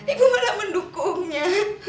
ibu malah mendukungnya